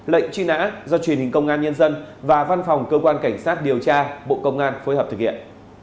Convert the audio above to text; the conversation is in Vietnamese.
lệnh truy nã do truyền hình công an nhân dân và văn phòng cơ quan cảnh sát điều tra bộ công an phối hợp thực hiện